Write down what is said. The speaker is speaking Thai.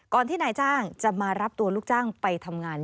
ที่นายจ้างจะมารับตัวลูกจ้างไปทำงาน